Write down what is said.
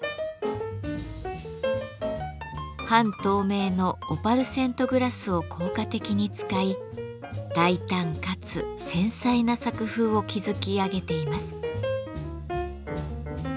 半透明のオパルセントグラスを効果的に使い大胆かつ繊細な作風を築き上げています。